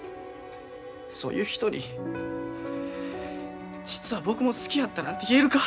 そういう人に実は僕も好きやったなんて言えるか。